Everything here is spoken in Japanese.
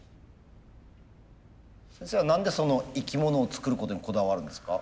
先生は何で生き物を作ることにこだわるんですか？